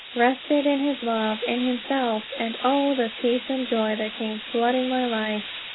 Rested in his love in himself. And, oh, the peace and joy that came flooding my life!